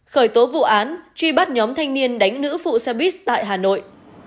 khởi tố vụ án truy bắt nhóm thanh niên đánh nữ phụ xe buýt tại hà nội